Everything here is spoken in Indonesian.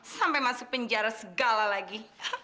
sampai masuk penjara segala lagi